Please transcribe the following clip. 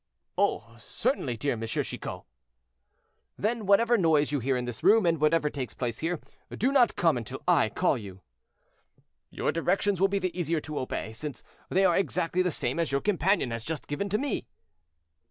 "Oh! certainly, dear M. Chicot." "Then whatever noise you hear in this room, and whatever takes place here, do not come until I call you." "Your directions will be the easier to obey, since they are exactly the same as your companion has just given to me."